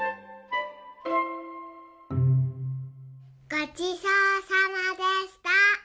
ごちそうさまでした。